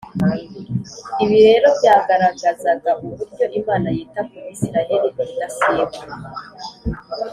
ibi rero byagaragazaga uburyo imana yita ku bisirayeli ubudasiba